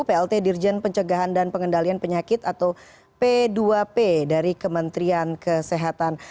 plt dirjen pencegahan dan pengendalian penyakit atau p dua p dari kementerian kesehatan